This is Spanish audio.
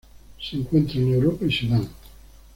Se encuentra en Europa y Sudán.